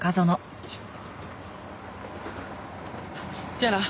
じゃあな。